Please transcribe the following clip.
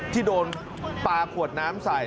ที่โดนปลาขวดน้ำใส่